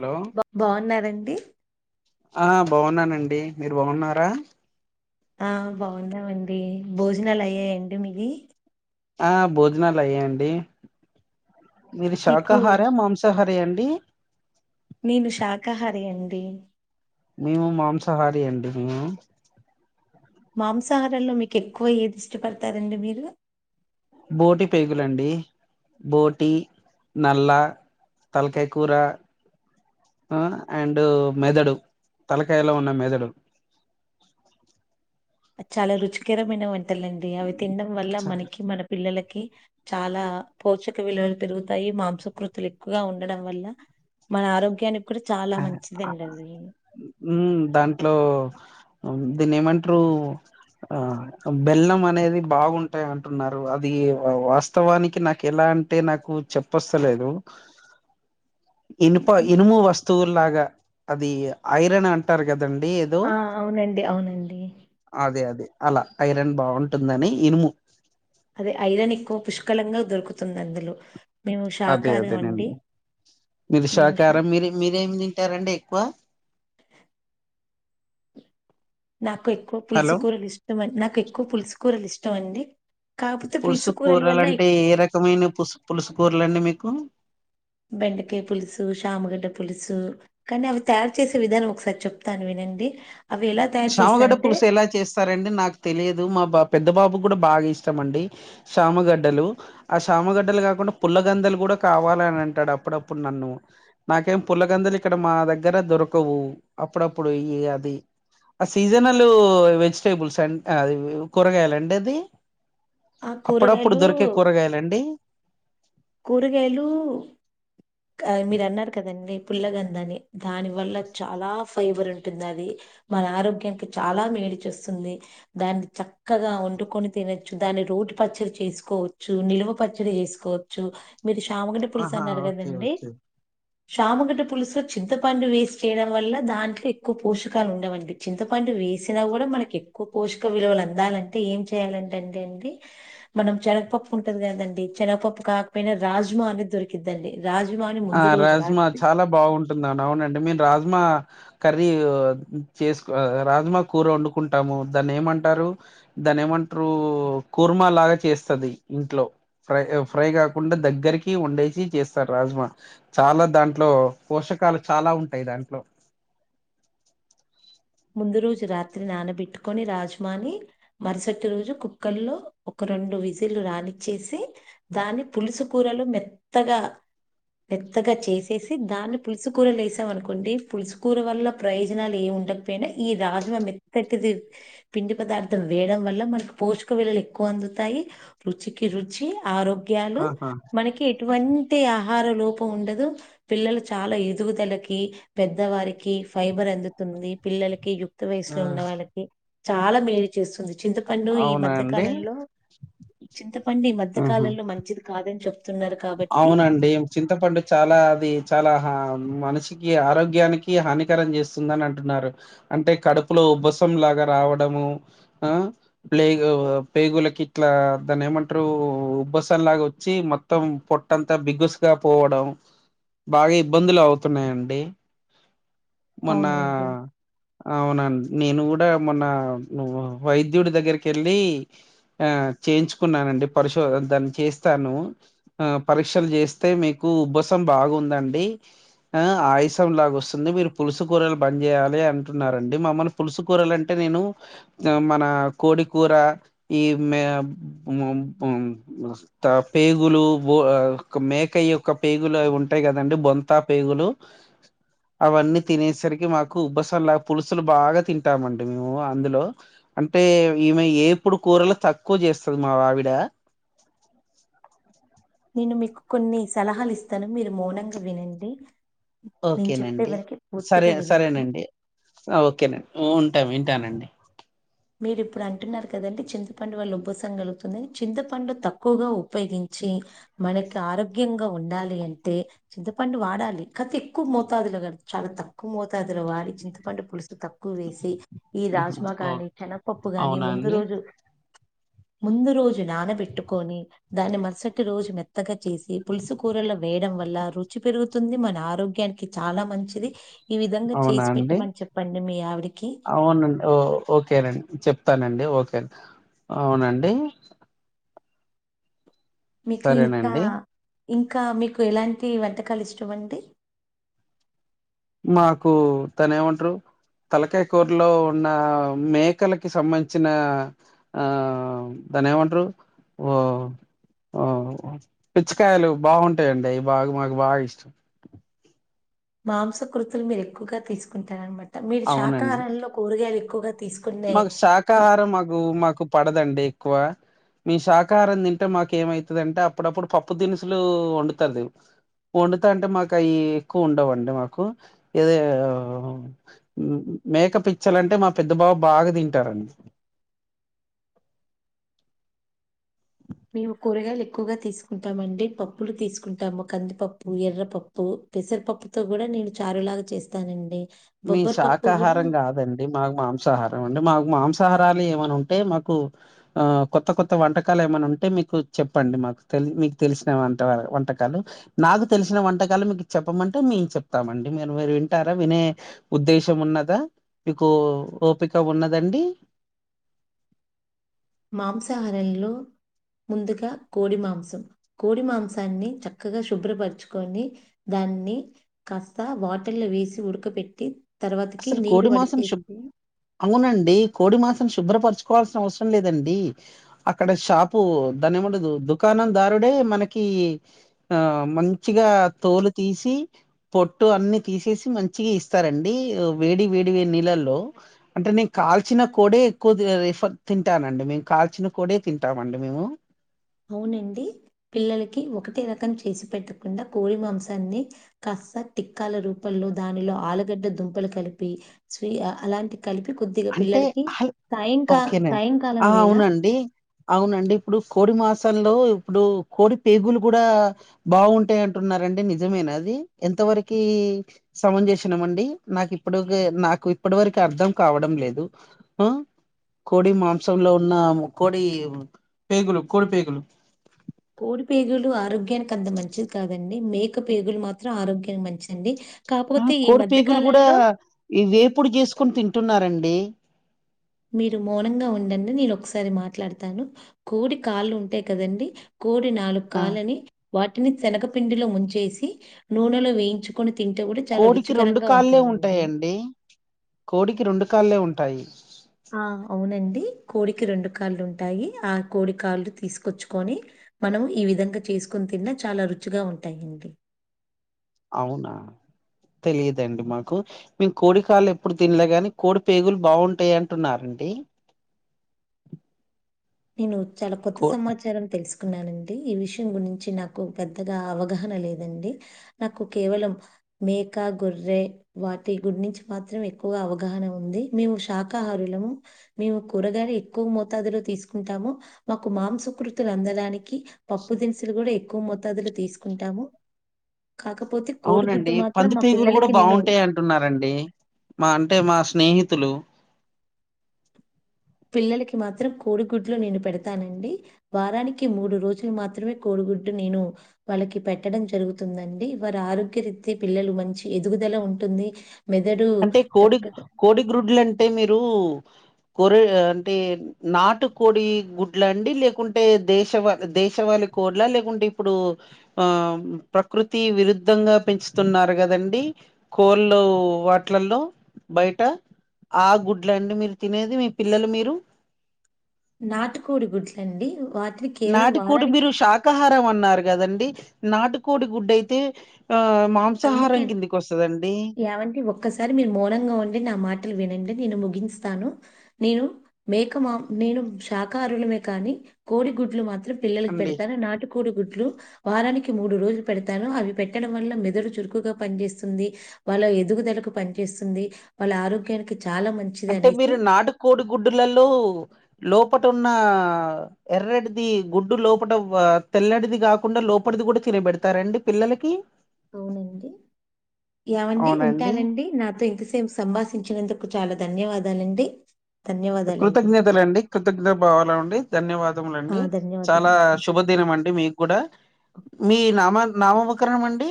Hello బా బాగున్నారండి ఆ బాగున్నానండి మీరు బాగున్నారా ఆ బాగుంన్నామండి భోజనాలు అయ్యాయండి మీవి ఆ భోజనాలు అయ్యాండి మీరు మీకు శాకాహార మాంసాహారి అం డి నేను శాకాహారి అండి మేము మాంసాహారి అండి మేము మాంసాహారంలో మీకు ఎక్కువ ఏది ఇష్టపడతారండి మీరు బోటి పేగులండి బోటి నల్ల తల్కయకురా ఆ అండ్ మెదడు తలకాయలో ఉన్న మెదడు చాలా రుచికరమైన వంటలండి అవి తినడం వల్ల మనకి మన పిల్లలకి కి చాలా పోషక విలువలు పెరుగుతాయి మాంసకృతులు ఎక్కువగా ఉండడం వల్ల మన ఆరోగ్యాని ఊ దాంట్లో దీన్నీ ఏమంట్రు ఆ బెల్లం అనేది బాగుంటాయి అంటున్నారు అది వాస్తవానికి నాకు ఎలా అంటే నాకు చెప్పొస్తలేదు ఇనుప ఇనుము వస్తువుల్లాగా అది ఐరన్ అంటారు గ దండి ఏదో ఆ అవునండి అవునండి అదే అదే అలా ఐరన్ బాగుంటుందని ఇనుము అదె ఐరన్ ఎక్కువ పుష్కలంగా దొరుకుతుంది అందులో మేము అదే శాకాహారం అండి అదేనండి మేము శా మీరుషాకారం మీరి మీ మీరేం తింటారండి ఎక్కువ నాకు ఎక్కువ హలో పులుసుకూరలు ఇష్టం అం నాకు ఎక్కువ పులుసుకూరలు ఇష్టం అండి కాకపోతే పులుసు కూరల వల్ల కూరలంటే ఎక్- ఏ రకమైన పుస్ పులుసు కూరలండి మీకు బెండకాయ పులుసు శ్యమగడ్డ పులుసు కానీ అవి తయారు చేసే విదానం ఒకసారి చెప్తారా విన్ ఏంది శ్యామగడ్డ పులుసు ఎలా చేస్తారండి నాకు తెలిదు మా బా పెద్ద బాబుకు కూడా బాగా ఇష్టం అండి శ్యామగడ్డలు ఆ శ్యామగడ్డలు కాకుండా పుల్లగందలు కూడా కావాలని అంటాడు అప్పుడప్పుడు నన్ను నాకేం పుల్లగందలు ఇక్కడ మా దగ్గర దొరకవు అప్పుడప్పుడు ఈ అది ఆ సీజనల్ వెజిటేబుల్స్ అ కూరగాయలండి అది ఆ అప్పుడప్పుడు కూరగాయలు దొరికే కూరగాయలండి కూరగాయలు మీరు అన్నారు కదండి పుల్లగందని దాని వల్ల చాలా ఫైబర్ ఉంటుంది అది మన ఆరోగ్యానికి చాలా మే మేలుచేస్తుంది దాన్ని చక్కగా వండుకొని తినచ్చు దాన్ని రోటి పచ్చడి చేసుకోవచ్చు నిలువ పచ్చడి చేసుకోవచ్చు మీరు శ్యామగడ్డ పులుసు ఆహా అన్నారు ఓకే కదండీ ఓకే శ్యామగడ్డ పులుసు చింతపండు వేసి చేయడం వల్ల దాంట్లో ఎక్కువ పోషకాలు ఉండవు అండి చింతపం డు వేసిన కూడా మనకి ఎక్కువ పోషకవిలువలు అందాలంటే ఎం చేయాలంటే అంటే అండి గరకపప్పు ఉంటది కదండి శనగపప్పు కాకపోయినా రాజ్మ అనే దొరిక్కిదండి ఆ రాజ్మా చాలా బాగుంటుందన్ అవునండి మేం రాజ్మా కర్రీ చేసు కు రాజ్మా కూర వండుకుంటాము దాన్ని ఏమంటారు దాన్ని ఏమంటరు కుర్మా లాగా చేస్తది ఇంట్లో ఫ్రై ఫ్రై గాకుండా దగ్గరి కి ఉండేసి చేస్తారు రాజ్మా చాలా దాంట్లో పోషకాలు చాలా ఉంటాయి దాంట్లో ముందు రోజు రాత్రి నానబెట్టుకొని రాజ్మాని మరుసటి రోజు కుక్కర్ లో ఒక రెండు విజిల్ రానిచ్చేసి దాని పులుసు కూరలు మెత్తగా మేత్తగా చేసేసి దాన్ని పులుసుకూరలు వేసామనుకోండి పులుసుకూర వల్ల ప్రయోజనాలు ఏముండ ఈ రాజ్మా మెత్తటిది పిండి పదార్థం వేయడం వల్ల మనకి పోషక విలలు ఎక్కువ అందు త్తాయి రుచికి రుచి ఆరోగ్యాలు ఆహా మనకి ఎటువంటి ఆహార లోపం ఉండదు పిల్లలు చాలా ఎదుగుదలకి పెద్దవారికి ఫైబర్ అందుతుంది పిల్లలకి యుక్త ఆ వయసులో ఉన్న వాళ్ళకి చాలా మేలు చేస్తుంది చింతపండు ఈ అవునా మధ్య అండి కాలంలో చింతపండు ఈ మధ్య ఆహా కాలంలో మంచిది కాదని చెప్ అవునండి చింతపండు చాలా అది చాలా మనిషి కి ఆరోగ్యానికి హానికరం చేస్తుందని అంటున్నారు అంటే కడుపులో ఉబ్బసం లాగా రావడం హ ప్లేగు పేగుల కిట్ల దాన్ని ఏమంటారు ఉబ్బసా లాగ వచ్చి మొత్తం పొట్టంతా బిగుసుగా పోవడం బాగా ఇబ్బందులవుతున్నాయండి మొన్న అవునండి అవునండి నేను కూడా మొన్న వైద్యుడి దగ్గరికి వెళ్ళి ఆ చేయించుకున్నానండి పరిశోధన దాన్ని చేస్తాను ఆ పరీక్షలు చేస్తే మీకు ఉబ్బసం బాగుందండి ఆ ఆయసం లాగ వస్తుంది మీరు పులుసు కూరలు బంద్ చేయ్యాలి అంటున్నారండి మమ్మల్ని పులుసు కూరలు అంటే నేను మన కోడి కూర ఈ మే ము ఆ మత్త పేగులు ఓ మేక యొక్క పేగులవి ఉంటాయి కదండి బొంతా పేగులు అవన్నీ తినేసరికి మాకు ఉబ్బసంలా పులుసులు బాగా తింటామండి మేము అందులో అంటే ఈమె ఏప్పుడు కూరలు తక్కువ చేస్తది మా ఆవిడ నేను మీకు కొన్ని సలహాలు ఇస్తాను మీరు మౌనంగా వినండి నేను చెప్పే ఓకేనండి వరకి సరే పూర్తిగా వినండి. సరేనండి ఆ ఓకేనండి ఉంటాం ఉంటానండి మీరు ఇప్పుడు అంటున్నారు కదండి చింతపండు వల్ల ఉబసం కలుగుతుందని చింతపండు తక్కువగా ఉపయోగించి మనకి ఆరోగ్యంగా ఉండాలి అంటే చింతపండు వాడాలి కాతే ఎక్కువ మోతాదులో కా చాలా తక్కువ మోతాదులో వాడి చింతపండు పులుసు తక్కువ వేసి ఈ ఉహు రాజ్మా ఓ గాని చెనపప్పు గాని అవునా ముందు అండి రోజు ముందు రోజు నానబెట్టుకొని దాన్ని మరుసటి రోజు మెత్తగా చేసి పులుసు కూరలో వేడి వల్ల రుచి పెరుగుతుంది మన ఆరోగ్యానికి చాలా మంచిది ఈ విధంగా అవునా చేసి అండి పెట్టమని చెప్పండి మీ ఆవిడికి అవునండి ఓ ఓకేనండి చెప్తానండి ఓకేండి అవునండి మీకు ఇంకా సరేనండి ఇంకా మీకు ఎలాంటి వంటకాలు ఇష్టమండి మాకు తను ఏమంటరు తలకాయకూరలో ఉన్న మేకలకి సంబంధించిన ఆ దాని ఏమంటరు ఓ ఓ పిచ్చకాయలు బాగుంటాయండి అవి బాగా మాకు బాగా ఇష్టం మాంసకృతులు మీరు ఎక్కువగా తీసుకుంటారనమాట మీరు అవునండి శాకాహారంలో కూరగాయలు ఎక్కువగా తీసుకునే మాకు శాకాహారం మాకు మాకు పడదండి ఎక్కువ మీ శాకాహారం తింటే మాకు ఏమైతదంటే అప్పుడప్పుడు పప్పు దినుసులు వండుతారు వండుత అంటే మాకు అయి ఎక్కువ ఉండవండి మాకు ఏదో మేక పిచ్చల్ అంటే మా పెద్ద బాబు బాగా తింటారండి మేము కూరగాయలు ఎక్కువగా తీసుకుంటామండి పప్పులు తీసుకుంటాము కందిపప్పు ఎర్రపప్పు పెసరపప్పుతో కూడా నేను చారులాగా చేస్తానండి మీ బొబ్బర పప్పు కూడా శాకాహారం కాదండి మాకు మాంసాహారం అంటే మా మాంసాహారాలు ఏమనా ఉంటే మాకు ఆ కొత్త కొత్త వంటకాలు ఏమైనా ఉంటే మీకు చెప్పండి మాకు తె మీకు తెలిసిన వంట వంటకాలు నాకు తెలిసిన వంటకాలు మీకు చెప్పమంటే మీ మేం చెప్తామండి మీరు మీరు వింటారా వినే ఉద్దేశం ఉన్నదా మీకు ఓపిక ఉన్నదండి మాంసాహారంలో ముందుగా కోడి మాంసం కోడి మాంసాన్ని చక్కగా శుభ్రపరచుకొని దా అన్ని కాస్త బాటిల్ లో వేసి ఉడక పెట్టి అసలు కోడి మాసం శుబ్ అవునండి కోడి మాం శుభ్రపరచుకోవాల్సిన అవసరం లేదండి అక్కడ షాపు దాని ఏమండదు దుకాణం దారు డే మనకి ఆ మంచిగా తోలు తీసి పొట్టు అన్ని తీ చేసి మంచిగా ఇస్తారండి తో వేడి వేడి గా నీలల్లో అంటే నేను కాల్చిన కోడే ఎక్కువ రిఫ తింటానండి మీ కాల్చిన కోడె తింటామండి మేము అవునండి పిల్లలకి ఒకటే రకం చేసి పెట్టకుండా కోడి మాంసాన్ని కాస్ స టిక్కాల రూపంలో దానిలో ఆలుగడ్డ దుంపలు కలిపి స్వి అలాంటి కలిపి కొద్దిగా అంటే పిల్లలకి ఆ సాయంకాల ఓకేనండి. ఆ! సాయంకాలం వేళ అవునండి. అవునండి ఇప్పుడు కోడి మాం సంలో ఇప్పుడు కోడి పేగులు కూడా బాగుంటాయి అంటున్నారండి నిజమేన అది ఎం ఇంతవరకి సమం చేసినాం అండి నాకు ఇప్పుడు నాకు ఇప్పటి వరకు అర్థం కావడం లేదు ఆ కోడి మాంసంలో ఉన్న కోడి పేగులు కోడి పేగులు పోడి పేగులు ఆరోగ్యానికి అంత మంచిది కాదండి మేక పేగులు మాత్రం ఆరోగ్యానికి మంచండి ఆ కోడి పేగులు కూడా ఈ వేపుడు చేసుకొని తింటున్నారండి మీరు మౌనంగా ఉండండి నేను ఒకసారి మాట్లాడతాను కోడి కాళ్ళు ఉంటాయి కదండి కోడి నాలుగు ఆ! కాళ్ళని వాటిని శనగపిండిలో ముంచేసి నూనెలో వేయించుకొని తింటే కూడా చాల కోడికి రుచికరంగ కాళ్ళే ఉంటుందండి ఉంటాయండి. కోడికి కాళ్ళే ఉంటాయి. ఆ! అవునండి. కోడికి రెండు కాళ్ళు ఉంటాయి ఆ కోడి కాళ్లు తీసుకొచ్చుకొని మనం ఈ విధంగ చెస్ చేస్కొని తిన్న చాల రుచిగా ఉంటాయండి అవునా తెలియదండి మాకు మేము కోడి కాళ్లు ఎప్పుడు తినలే గాని కోడి పేగులు బాగుంటాయి అంటున్నరండి నేను చాల కొత్త కో సమాచారం తెల్సు కున్నానండి ఈ విషయం గురించి నాకు పెద్దగ అవగాహన లేదండి నాకు కేవలం మేక గొర్రె వాటి గుడి నుంచి మాత్రం ఎక్కువగా అవగాహన ఉంది మేము శాకాహారు ళము మేము కూరగాయ ఎక్కువ మోతాదులో తీస్ కుంటాము మాకు మాంసకృతులు అందడానికి పప్పు దినుసులు కూడా ఎక్కువ మొతాదులు తీసుకుంటాము కాకపోతే కోడిగుడ్డు అవునండి మాత్రం పంది మా పేగులు కూడ పిల్లలకి నేను బాగుంటాయి అంటున్నరండి మా అంటే మా స్నేహి తులు పిల్లలకి మాత్రం కోడిగుడ్లు నేను పెడతానండి వారానికి మూడు రోజులు మాత్రమే కోడిగుడ్ నేను వాళ్ళకి పెట్టడం జరుగుతుందండి వారి ఆరోగ్య రీతి పిల్లలు మంచి ఎదుగుదల ఉంటు ఉంది అంటే కోడి కోడి గ్రుడ్లు అంటే మీరు కొర అంటే నాటు కోడి గుడ్ల అండి లేకుంటే దేశవ దేశవ కోలా లేకుంటే ఇప్పుడు ఆ ప్రకృతి విరుద్ధంగా పెంచుతున్నారు కదండి కోల్లో వాట్లల్లో బయట ఆ గుడ్లండి మీరు తినేది మీ పిల్లలు మీరు నాటికోడి గుడ్లండి వాట్ నాటికోడు మీరు శాకాహారం అన్నారు కదండి నాటుకోడి గుడ్ అయితే అందుకే ఏమండి ఒక్కసారి మీరు మౌనంగా ఉండి నా మాటలు వినండి నేను ముగించుస్తాను నేను మేక నేను శాకాహారులమే కానీ కోడి గుడ్లు మాత్ర పిల్లలకి అండి పెడతాను నాటుకోడుగుడ్లు వారానికి మూడు రోజులు పెడతాను అవి పెట్టడం వల్ల మెదడు చురుకుగ పనిచేస్తుంది వాళ్ళ ఎదుగుదలకు పనిచేస్తుంది వాళ్ళ ఆరోగ్యానికి చాలా మంచిది అంటే అనేసి మీరు నాటు కోడి గుడ్డులలో లోపట ఉన్న ఎర్రెటిది గుడ్డు లోపట తెల్లటిది కాకుండ లోపల ఇది కూడా తినిబెడతారండి పిల్లలకి అవునండి యావండి అవునండి ఉంటానండి నాతో ఇంతసేపు సంభాషించినందుకు చాల ధన్యవాదాలండి ధన్యవాదాలండి కృతజ్ఞతలండి కృతజ్ఞత భావాల అండి ధన్యవాదముల ఆ అండి చాలా ధన్యవాదాలండి శుభదిన మా అండి మీకు కూడ మీ నామ నామ ఉపకరణం అండి